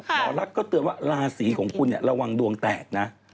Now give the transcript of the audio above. หมอลักษณ์ก็เตือนว่าราศีของคุณระวังดวงแตกนะ